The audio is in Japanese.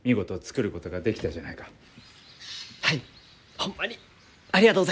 ホンマにありがとうございます。